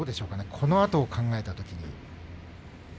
このあとを考えたとき。